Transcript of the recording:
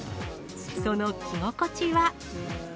その着心地は。